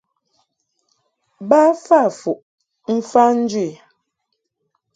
Ba fa fuʼ mfa njɨ i.